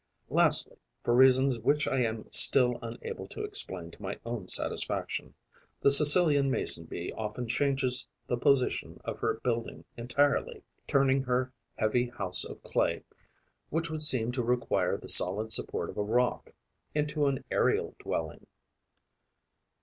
Lastly, for reasons which I am still unable to explain to my own satisfaction, the Sicilian Mason bee often changes the position of her building entirely, turning her heavy house of clay, which would seem to require the solid support of a rock, into an aerial dwelling.